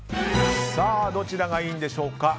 どちらがいいんでしょうか。